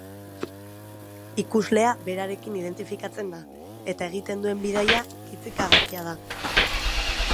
Ikuslea berarekin identifikatzen da eta egiten duen bidaia kitzikagarria da.